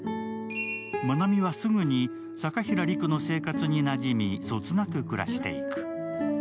まなみはすぐに坂平陸の生活になじみそつなく暮らしていく。